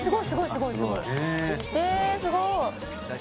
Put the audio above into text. すごい。